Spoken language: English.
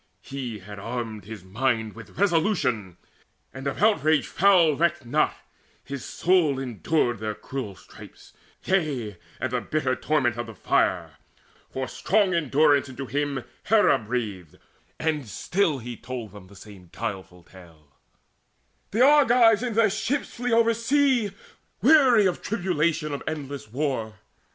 He had armed his mind With resolution, and of outrage foul Recked not; his soul endured their cruel stripes, Yea, and the bitter torment of the fire; For strong endurance into him Hera breathed; And still he told them the same guileful tale: "The Argives in their ships flee oversea Weary of tribulation of endless war.